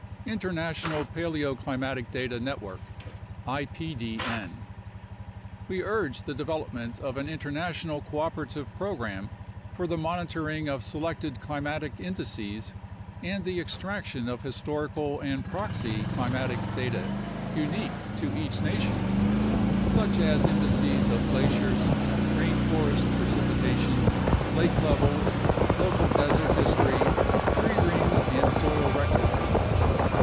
International Paleoclimatic Data Network (IPDN) We urge the development of an international cooperative program for the monitoring of selected climatic indices and the extraction of histori cal and proxy climatic data unique to each nation, such as indices of glaciers, rain forest precipitation, lake levels, local desert history, tree rings, and soil records.